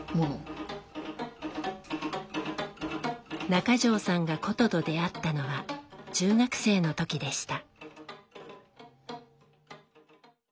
中条さんが箏と出会ったのは中学生の時でした。